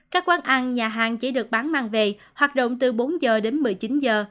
các quán ăn nhà hàng chỉ được bán mang về hoạt động từ bốn giờ đến một mươi chín giờ